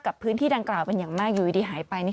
พื้นที่ดังกล่าวเป็นอย่างมากอยู่ดีหายไป